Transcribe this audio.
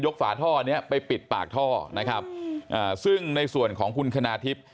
ฝาท่อเนี้ยไปปิดปากท่อนะครับอ่าซึ่งในส่วนของคุณคณาทิพย์